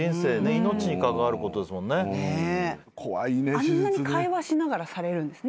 あんなに会話しながらされるんですね。